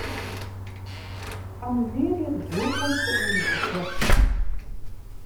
Annulearje de gearkomste oer it budzjet.